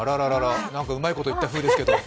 うまいこと言った風ですけれども。